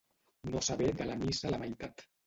No saber de la missa la meitat.